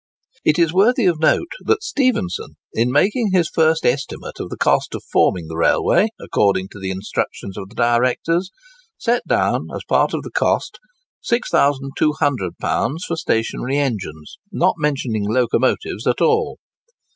It is worthy of note that Stephenson, in making his first estimate of the cost of forming the railway according to the Instructions of the directors, set down, as part of the cost, £6200 for stationary engines, not mentioning locomotives at all.